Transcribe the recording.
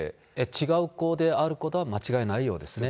違う子であることは間違いないようですね。